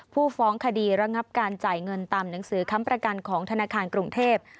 ผู้ฟ้องคดีระงับการจ่ายเงินตามหนังสือค้ำประกันของธนาคารกรุงเทพ